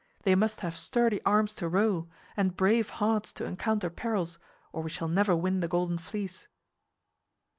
They must have sturdy arms to row and brave hearts to encounter perils, or we shall never win the Golden Fleece."